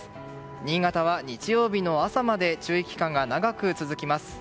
新潟は、日曜日の朝まで注意期間が長く続きます。